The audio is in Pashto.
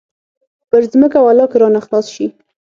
پر ځمکه ولله که رانه خلاص سي.